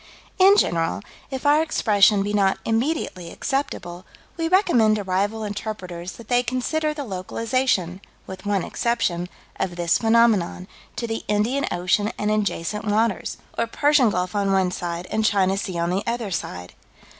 In general, if our expression be not immediately acceptable, we recommend to rival interpreters that they consider the localization with one exception of this phenomenon, to the Indian Ocean and adjacent waters, or Persian Gulf on one side and China Sea on the other side.